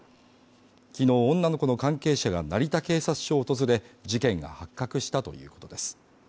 昨日女の子の関係者が成田警察署を訪れ、事件が発覚したということです。